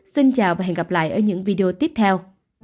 xin chào và hẹn gặp lại ở những video tiếp theo